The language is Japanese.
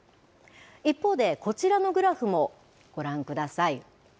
一方で、こちらのグラフもご覧ください。